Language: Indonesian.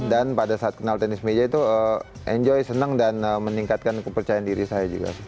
dan pada saat kenal tenis meja itu enjoy senang dan meningkatkan kepercayaan diri saya juga